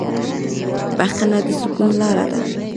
بښنه د سکون لاره ده.